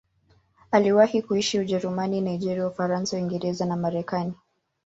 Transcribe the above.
Aliwahi kuishi Ujerumani, Nigeria, Ufaransa, Uingereza na Marekani.